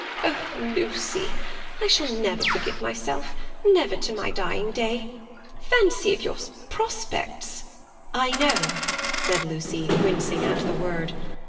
"Oh, Lucy—I shall never forgive myself, never to my dying day. Fancy if your prospects—" "I know," said Lucy, wincing at the word.